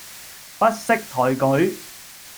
不識抬舉